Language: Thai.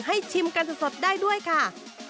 ชิมกันสดได้ด้วยค่ะ